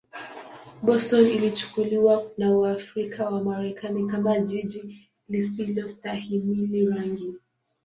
Boston ilichukuliwa na Waafrika-Wamarekani kama jiji lisilostahimili rangi.